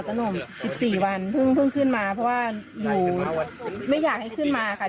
หนุ่ม๑๔วันเพิ่งขึ้นมาเพราะว่าอยู่ไม่อยากให้ขึ้นมาค่ะ